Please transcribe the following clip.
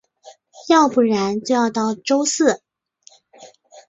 要不然就要到周四